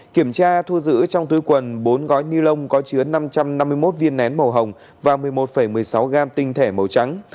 kiểm tra thu giữ trong túi quần bốn gói ni lông có chứa năm trăm năm mươi một viên nén màu hồng và một mươi một một mươi sáu gam tinh thể màu trắng